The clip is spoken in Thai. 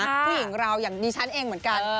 ผู้หญิงเราอย่างดิฉันเองเหมือนกัน